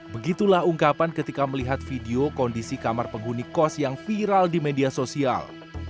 begitulah ungkapan ketika melihat video kondisi kamar penghuni kos yang viral di media sosial